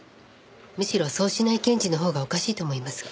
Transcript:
むしろそうしない検事のほうがおかしいと思いますが。